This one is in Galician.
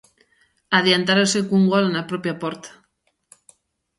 Adiantáronse cun gol na propia porta.